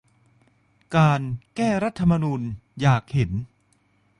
การ แก้รัฐธรรมนูญ อยากเห็น